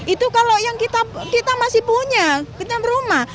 itu kalau yang kita masih punya kita rumah